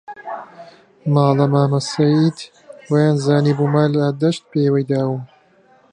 ماڵە مامە سەید وەیانزانیبوو مار لە دەشت پێوەی داوم